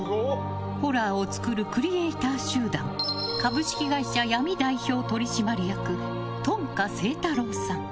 ホラーを作るクリエイター集団株式会社闇、代表取締役頓花聖太郎さん。